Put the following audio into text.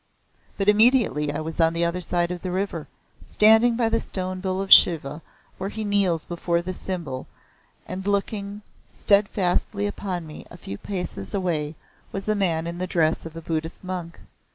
But immediately I was at the other side of the river, standing by the stone Bull of Shiva where he kneels before the Symbol, and looking steadfastly upon me a few paces away was a man in the dress of a Buddhist monk.